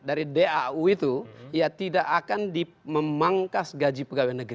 dari dau itu tidak akan memangkas gaji pns